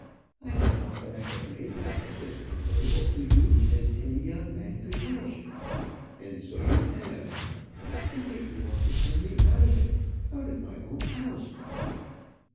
I had thought that I had made the house as comfortable to you as any young man could wish." "And so you have." "And yet you want to turn me out of it out of my own house!"